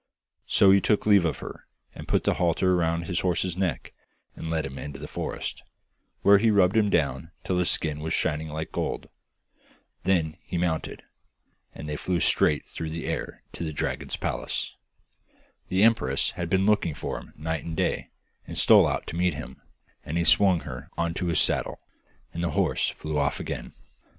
So he took leave of her, and put the halter round his horse's neck and led him into the forest, where he rubbed him down till his skin was shining like gold. Then he mounted, and they flew straight through the air to the dragon's palace. The empress had been looking for him night and day, and stole out to meet him, and he swung her on to his saddle, and the horse flew off again.